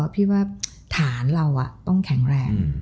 พี่ว่าฐานเราต้องแข็งแรง